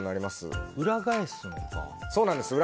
裏返すのか。